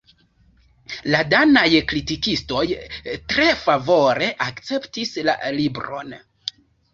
La danaj kritikistoj tre favore akceptis la libron.